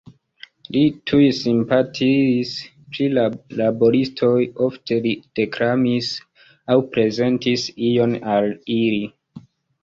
Li tuj simpatiis pri la laboristoj, ofte li deklamis aŭ prezentis ion al ili.